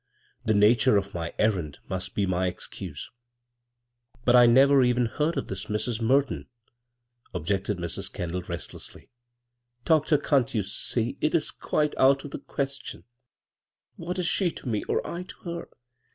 The nature of my errand must be my stcuse." " But I never even heard of this Mrs. Mer on," objected Mrs. Kendall, restiessly. ' Doctor, can't you see ? It is quite out of he question 1 What is she to me or I o her?